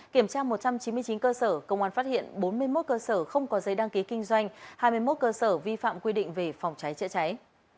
kiểm tra một trăm chín mươi chín cơ sở công an phát hiện bốn mươi một cơ sở không có giấy đăng ký kinh doanh hai mươi một cơ sở vi phạm quy định về phòng cháy chữa cháy